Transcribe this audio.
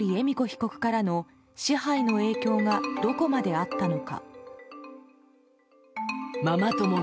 被告からの支配の影響がどこまであったのか。